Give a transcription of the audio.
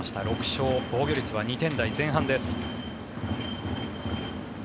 ６勝、防御率は２点台前半です。